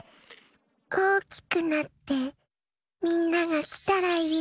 おおきくなってみんながきたらいいな。